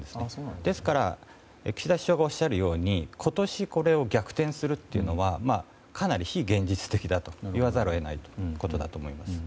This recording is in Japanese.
ですから岸田首相がおっしゃるように今年これを逆転するというのはかなり非現実的だと言わざるを得ないということだと思います。